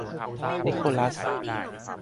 นิโคลัส